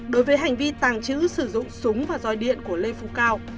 đối với hành vi tàng trữ sử dụng súng và dòi điện của lê phú cao